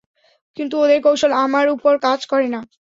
কিন্তু, ওদের কৌশল আমার উপর কাজ করে না।